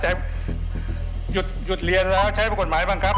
หยุดเรียนแล้วใช้กฎหมายมาบังคับ